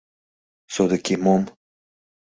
Содыки мом?